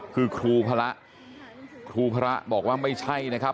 คือครูพระครูพระบอกว่าไม่ใช่นะครับ